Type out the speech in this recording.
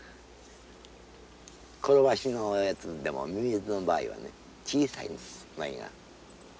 コロバシのやつでもミミズの場合はね小さいんですウナギが。